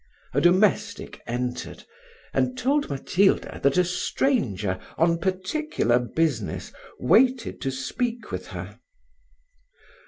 A domestic entered, and told Matilda that a stranger, on particular business, waited to speak with her.